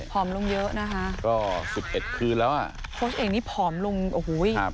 อมลงเยอะนะคะก็สิบเอ็ดคืนแล้วอ่ะโค้ชเอกนี่ผอมลงโอ้โหครับ